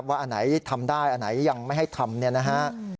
ว่าไหนทำได้ไหนยังไม่ให้ทำ